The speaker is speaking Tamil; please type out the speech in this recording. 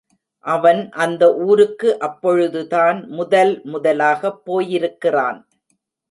அவன் அந்த ஊருக்கு அப்பொழுதுதான் முதல் முதலாகப் போயிருக்கிறான்.